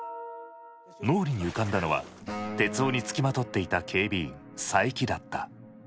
脳裏に浮かんだのは徹生につきまとっていた警備員佐伯だった。